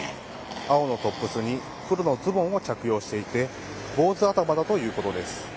青のトップスに黒のズボンを着用していて坊主頭だということです。